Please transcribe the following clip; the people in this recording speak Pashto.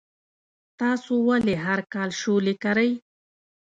تاسو ولې هر کال شولې کرئ؟